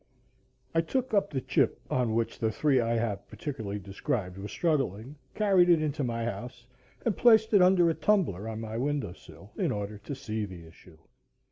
I took up the chip on which the three I have particularly described were struggling, carried it into my house, and placed it under a tumbler on my window sill, in order to see the issue.